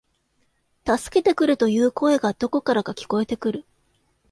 助けてくれ、という声がどこからか聞こえてくる